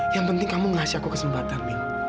yang penting kamu ngasih aku kesempatan